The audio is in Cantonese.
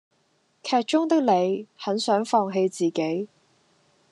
劇中的李很想放棄自己